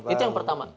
itu yang pertama